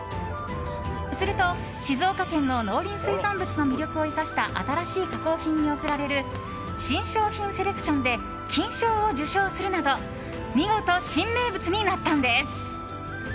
すると静岡県の農林水産物の魅力を生かした新しい加工品に贈られる新商品セレクションで金賞を受賞するなど見事、新名物になったのです。